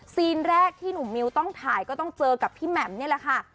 แรกที่หนุ่มมิวต้องถ่ายก็ต้องเจอกับพี่แหม่มนี่แหละค่ะ